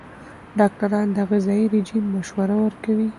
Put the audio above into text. ډاکټران د غذايي رژیم مشوره ورکوي.